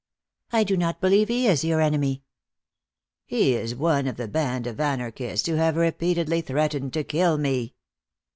"I do not believe he is your enemy." "He is one of the band of anarchists who have repeatedly threatened to kill me."